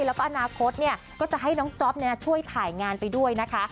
แล้วก็อนาคตก็จะให้น้องจ๊อปช่วยถ่ายงานไปด้วยนะคะ